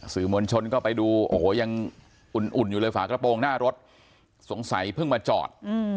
สื่อมวลชนก็ไปดูโอ้โหยังอุ่นอยู่เลยฝากระโปรงหน้ารถสงสัยเพิ่งมาจอด